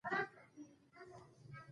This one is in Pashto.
سر څه په يوه لوټۀ سپيره ، څه په سلو.